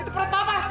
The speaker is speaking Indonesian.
itu pret apa